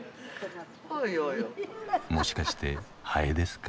もしかしてハエですか？